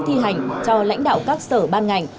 thi hành cho lãnh đạo các sở ban ngành